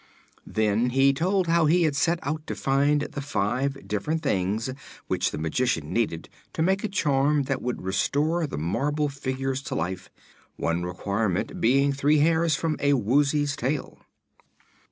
Then he told how he had set out to find the five different things which the Magician needed to make a charm that would restore the marble figures to life, one requirement being three hairs from a Woozy's tail.